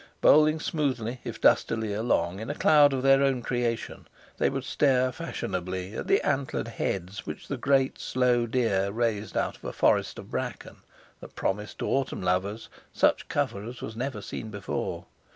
Bowling smoothly, if dustily, along, in a cloud of their own creation, they would stare fashionably at the antlered heads which the great slow deer raised out of a forest of bracken that promised to autumn lovers such cover as was never seen before.